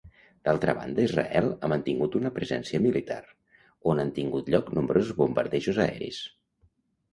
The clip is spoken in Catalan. D'altra banda Israel ha mantingut una presència militar, on han tingut lloc nombrosos bombardejos aeris.